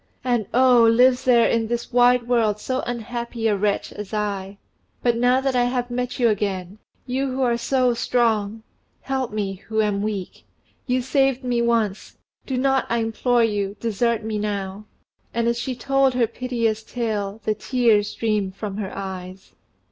And, oh! lives there in this wide world so unhappy a wretch as I! But now that I have met you again you who are so strong help me who am weak. You saved me once do not, I implore you, desert me now!!" and as she told her piteous tale the tears streamed from her eyes.